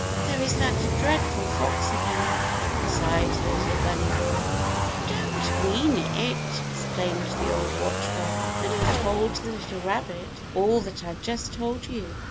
There is that dreadful fox again," sighed the little bunny boy. "You don't mean it!" exclaimed the old watchdog, and he told the little rabbit all that I've just told you.